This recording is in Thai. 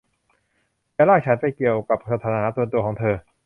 อย่าลากฉันไปเกี่ยวกับปัญหาส่วนตัวของเธอ